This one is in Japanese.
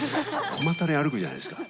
小またで歩くじゃないですか。